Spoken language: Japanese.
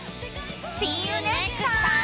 Ｓｅｅｙｏｕｎｅｘｔｔｉｍｅ！